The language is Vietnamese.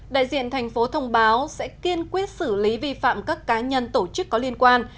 đại diện tp hcm sẽ kiên quyết xử lý vi phạm các cá nhân tổ chức có liên quan